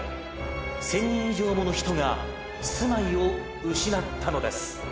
１，０００人以上もの人が住まいを失ったのです。